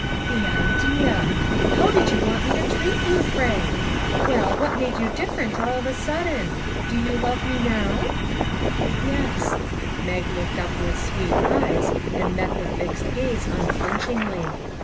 " The idea ! How did you want me to treat 292 WHAT MADE YOU CHANGE ?" you, pray? Well, what made you different all of a sudden ? Do you love me now ?"" Yes." Mag looked up with sweet eyes and met the fixed gaze unflinchingly.